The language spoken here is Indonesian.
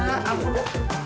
gue tunggu di rumah lo